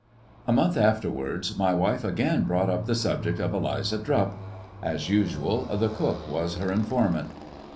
A month afterwards my wife again brought up the subject of Eliza Drupp. As usual, the cook was her informant.